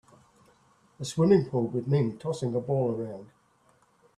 A swimming pool with men tossing a ball around.